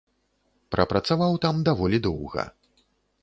Прапрацаваў там даволі доўга.